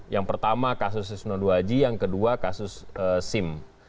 yang pertama kasus sno dua g yang kedua kasus sim